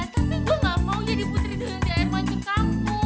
tapi gue gak mau jadi putri dengan dir macam kamu